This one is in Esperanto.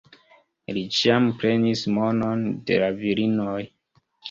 Li ĉiam prenis monon de la virinoj.